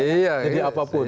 iya jadi apapun